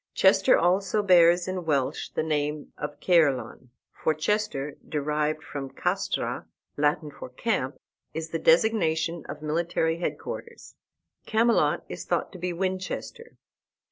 Chester also bears in Welsh the name of Caerleon; for Chester, derived from castra, Latin for camp, is the designation of military headquarters. Camelot is thought to be Winchester.